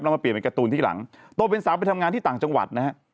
มาเปลี่ยนเป็นการ์ตูนที่หลังตัวเป็นสาวไปทำงานที่ต่างจังหวัดนะฮะ